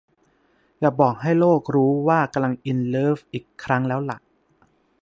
อยากบอกให้โลกรู้ว่ากำลังอินเลิฟอีกครั้งแล้วล่ะ